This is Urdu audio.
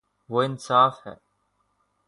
وہ انصا ف ہے